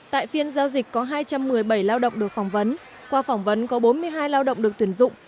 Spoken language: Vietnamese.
tại phiên giao dịch có hai trăm một mươi bảy lao động được phỏng vấn qua phỏng vấn có bốn mươi hai lao động được tuyển dụng